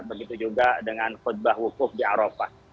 begitu juga dengan khutbah wukuf di arafah